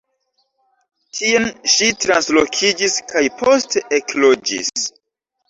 Tien ŝi translokiĝis kaj poste ekloĝis.